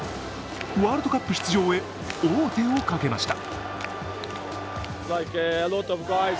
ワールドカップ出場へ王手をかけました。